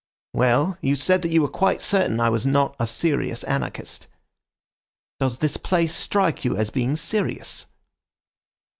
Well, you said that you were quite certain I was not a serious anarchist. Does this place strike you as being serious?"